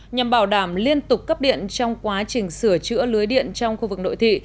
nhằm bảo đảm liên tục cấp điện trong quá trình sửa chữa lưới điện trong khu vực nội thị